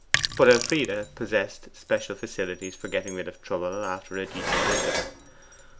But Elfride possessed special facilities for getting rid of trouble after a decent interval.